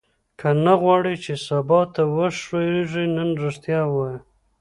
که نه غواړې چې سبا ته وښوېږې نن ریښتیا ووایه.